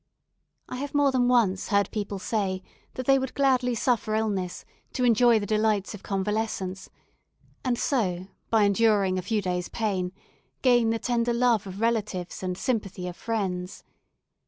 I have more than once heard people say that they would gladly suffer illness to enjoy the delights of convalescence, and so, by enduring a few days' pain, gain the tender love of relatives and sympathy of friends.